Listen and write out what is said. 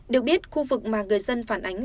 được biết khu vực mà người dân phản ánh